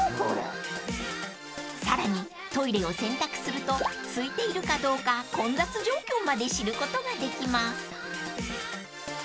［さらにトイレを選択するとすいているかどうか混雑状況まで知ることができます］